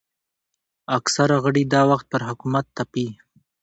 اکثره غړي د وخت پر حکومت تپي